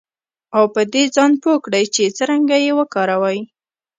او په دې ځان پوه کړئ چې څرنګه یې وکاروئ